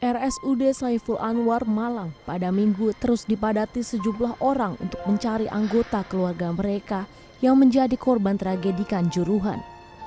rsud saiful anwar malang pada minggu terus dipadati sejumlah orang untuk mencari anggota keluarga mereka yang menjadi korban tragedikan juruhan